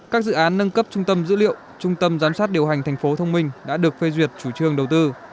các dự án nâng cấp trung tâm dữ liệu trung tâm giám sát điều hành thành phố thông minh đã được phê duyệt chủ trương đầu tư